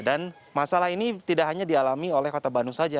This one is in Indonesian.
dan masalah ini tidak hanya dialami oleh kota bandung saja